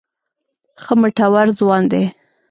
ښه مټور ځوان دی.